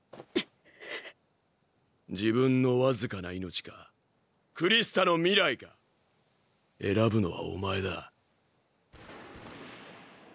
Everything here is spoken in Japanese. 自分の僅かな命かクリスタの未来か選ぶのはお前だ。